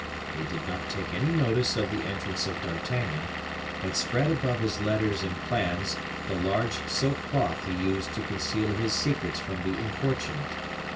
He did not take any notice of the entrance of D'Artagnan, but spread above his letters and plans the large silk cloth he used to conceal his secrets from the importunate.